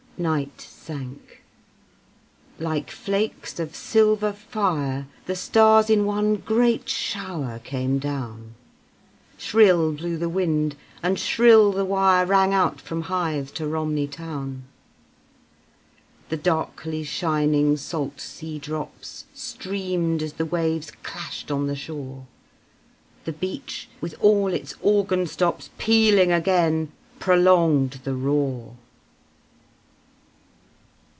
Night sank: like flakes of silver fire The stars in one great shower came down; Shrill blew the wind; and shrill the wire Rang out from Hythe to Romney town. The darkly shining salt sea drops Streamed as the waves clashed on the shore; The beach, with all its organ stops Pealing again, prolonged the roar.